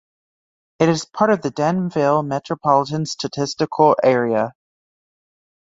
It is part of the Danville Metropolitan Statistical Area.